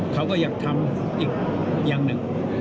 เขาก็อยากทำอีกอย่างหนึ่ง